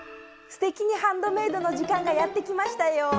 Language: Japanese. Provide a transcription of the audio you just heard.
「すてきにハンドメイド」の時間がやって来ましたよ。